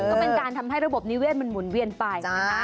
ก็เป็นการทำให้ระบบนิเศษมันหมุนเวียนไป